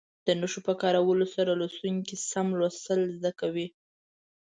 د نښو په کارولو سره لوستونکي سم لوستل زده کوي.